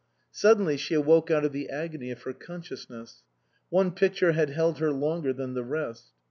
Suddenly she awoke out of the agony of her consciousness. One picture had held her longer than the rest.